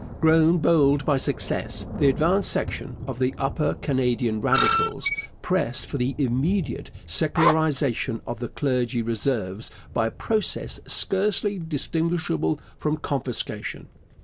Grown bold by success, the advanced section of the Upper Canadian Radicals pressed for the immediate secularization of the Clergy Reserves by a process scarcely distinguishable from confiscation.